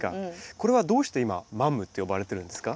これはどうして今マムって呼ばれてるんですか？